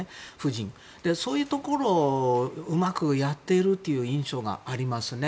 そういうところをうまくやっているという印象がありますね。